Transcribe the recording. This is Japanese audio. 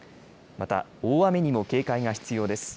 また大雨にも警戒が必要です。